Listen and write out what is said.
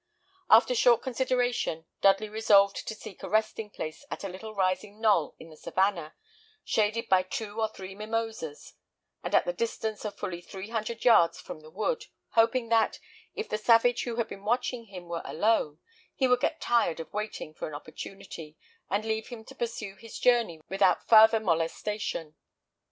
After short consideration, Dudley resolved to seek a resting place at a little rising knoll in the savannah, shaded by two or three mimosas, and at the distance of fully three hundred yards from the wood, hoping that, if the savage who had been watching him were alone, he would get tired of waiting for an opportunity, and leave him to pursue his journey without farther molestation.